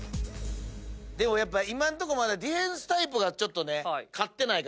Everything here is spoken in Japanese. でも今んとこまだディフェンスタイプが勝ってないから。